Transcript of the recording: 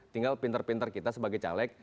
tinggal pinter pinter kita sebagai caleg